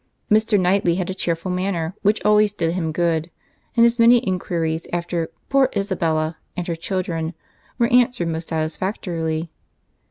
Mr. Knightley had a cheerful manner, which always did him good; and his many inquiries after "poor Isabella" and her children were answered most satisfactorily.